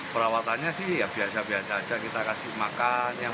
perawatannya sih ya biasa biasa aja kita kasih makan